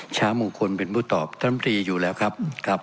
ช้างมงคลเป็นผู้ตอบท่านตรีอยู่แล้วครับครับ